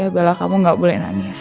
bella kamu gak boleh nangis